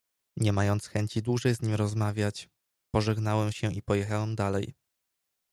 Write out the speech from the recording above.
"Nie mając chęci dłużej z nim rozmawiać, pożegnałem się i pojechałem dalej."